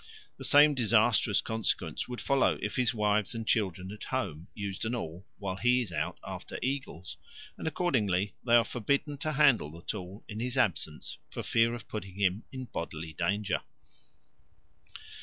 The same disastrous consequence would follow if his wives and children at home used an awl while he is out after eagles, and accordingly they are forbidden to handle the tool in his absence for fear of putting him in bodily danger.